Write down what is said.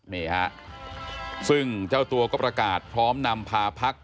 นี่ฮะซึ่งเจ้าตัวก็ประกาศพร้อมนำพาพัก